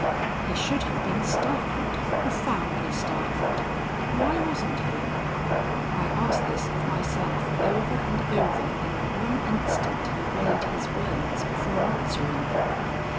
He should have been startled, profoundly startled. Why wasn't he? I asked this of myself over and over in the one instant he weighed his words before answering.